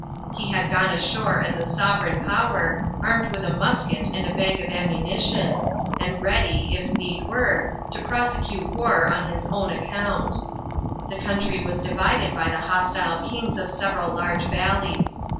He had gone ashore as a sovereign power, armed with a musket and a bag of ammunition, and ready, if need were, to prosecute war on his own account. The country was divided by the hostile kings of several large valleys.